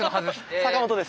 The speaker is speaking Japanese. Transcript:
坂本です。